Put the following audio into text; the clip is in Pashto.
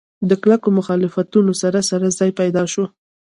له کلکو مخالفتونو سره سره ځای پیدا شو.